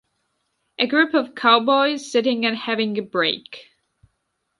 A group of cowboys sitting and having a break